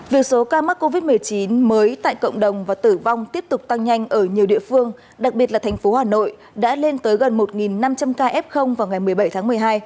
việc số ca mắc covid một mươi chín mới tại cộng đồng và tử vong tiếp tục tăng nhanh ở nhiều địa phương đặc biệt là thành phố hà nội đã lên tới gần một năm trăm linh ca f vào ngày một mươi bảy tháng một mươi hai